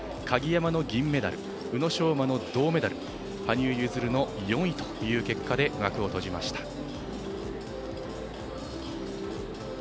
鍵山の銀メダル宇野昌磨の銅メダル羽生結弦の４位という結果で幕を閉じました。